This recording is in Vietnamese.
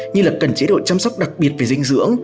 như là cần chế độ chăm sóc đặc biệt về dinh dưỡng